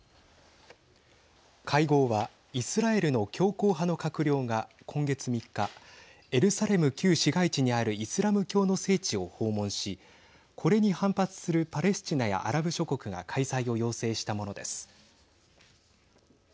会合はイスラエルの強硬派の閣僚が今月３日エルサレム旧市街地にあるイスラム教の聖地を訪問しこれに反発するパレスチナやアラブ諸国が開催を要請したものです。